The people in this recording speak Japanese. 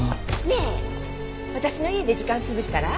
ねえ私の家で時間潰したら？